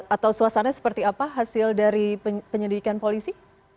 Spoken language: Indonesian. atau suasana seperti apa hasil dari penyelidikan polisi